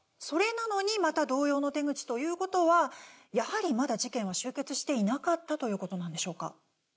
それなのにまた同様の手口という事はやはりまだ事件は終結していなかったという事なんでしょうか？